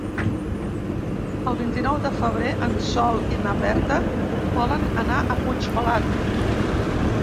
El vint-i-nou de febrer en Sol i na Berta volen anar a Puigpelat.